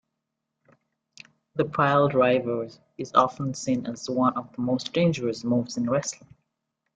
The piledriver is often seen as one of the most dangerous moves in wrestling.